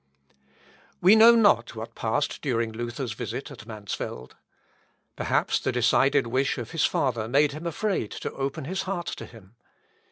We know not what passed during Luther's visit at Mansfeld. Perhaps the decided wish of his father made him afraid to open his heart to him.